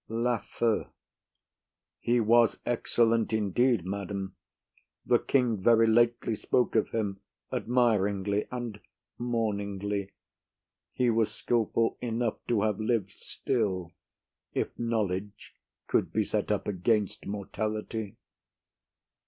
LAFEW. He was excellent indeed, madam; the king very lately spoke of him admiringly, and mourningly; he was skilful enough to have liv'd still, if knowledge could be set up against mortality.